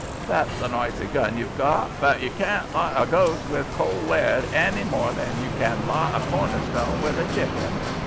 "That's a noisy gun you've got, but you carn't ly a ghost with cold lead hany more than you can ly a corner stone with a chicken.